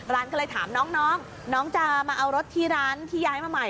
ร้านก็เลยถามน้องน้องจะมาเอารถที่ร้านที่ย้ายมาใหม่